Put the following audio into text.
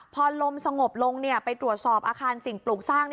พอลมสงบลงไปตรวจสอบอาคารสิ่งปลูกสร้าง